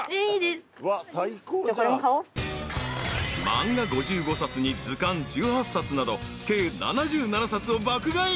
［漫画５５冊に図鑑１８冊など計７７冊を爆買い］